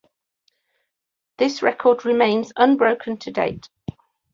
This record remains unbroken to date.